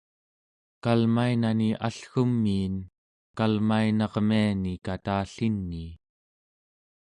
kalmainani allgumiin kalmainarmiani katallinii